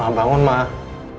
bangun bangun bangun